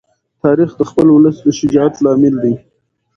تاریخ د خپل ولس د شجاعت لامل دی.